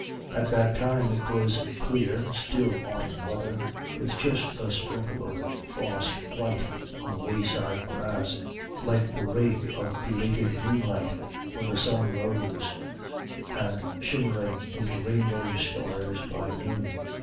At that time it was clear, still autumn weather, with just a sprinkle of frost white on the wayside grass, like the wraith of belated moonlight, when the sun rose, and shimmering into rainbow stars by noon.